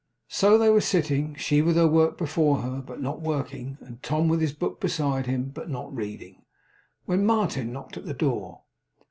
So they were sitting, she with her work before her, but not working, and Tom with his book beside him, but not reading, when Martin knocked at the door.